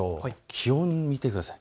気温を見てください。